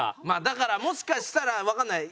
だからもしかしたらわかんない。